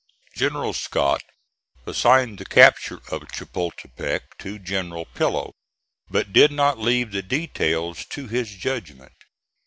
General Scott assigned the capture of Chapultepec to General Pillow, but did not leave the details to his judgment.